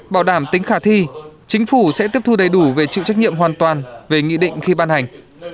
bảo đảm tính khả thi chính phủ sẽ tiếp thu đầy đủ về chịu trách nhiệm hoàn toàn về nghị định khi ban hành